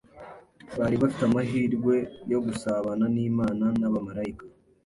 Bari bafite amahirwe yo gusabana n’Imana n’abamarayika